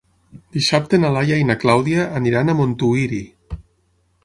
Dissabte na Laia i na Clàudia aniran a Montuïri.